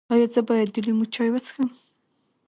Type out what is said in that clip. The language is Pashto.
ایا زه باید د لیمو چای وڅښم؟